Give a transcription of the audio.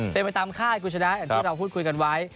เป็นไปตามค่ายคุณชนะอย่างที่เราพูดคุยกันไว้